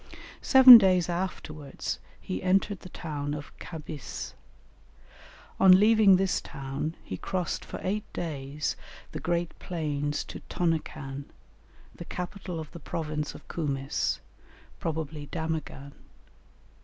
Seven days afterwards he entered the town of Khabis. On leaving this town he crossed for eight days the great plains to Tonokan, the capital of the province of Kumis, probably Damaghan.